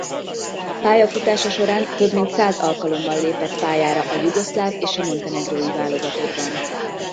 Pályafutása során több mint száz alkalommal lépett pályára a jugoszláv és a montenegrói válogatottban.